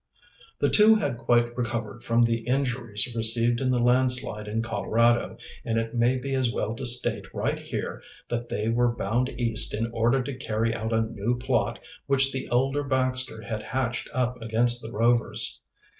The two had quite recovered from the injuries received in the landslide in Colorado, and it may be as well to state right here that they were bound East in order to carry out a new plot which the elder Baxter had hatched up against the Rovers.